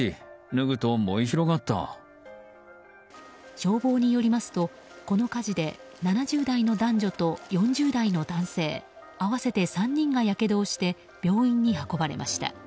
消防によりますと、この火事で７０代の男女と４０代の男性合わせて３人がやけどをして病院に運ばれました。